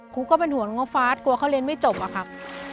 ก็เป็นห่วงน้องฟาสกลัวเขาเรียนไม่จบอะครับ